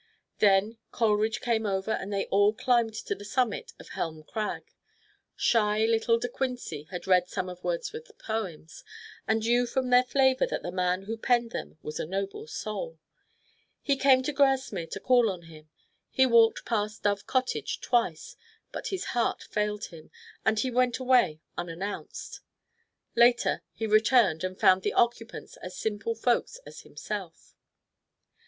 Then Coleridge came over and they all climbed to the summit of Helm Crag. Shy little De Quincey had read some of Wordsworth's poems, and knew from their flavor that the man who penned them was a noble soul. He came to Grasmere to call on him: he walked past Dove Cottage twice, but his heart failed him and he went away unannounced. Later, he returned and found the occupants as simple folks as himself.